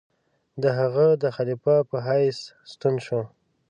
د هغه د خلیفه په حیث ستون شو.